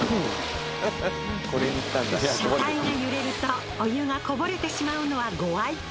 車体が揺れるとお湯がこぼれてしまうのはご愛嬌。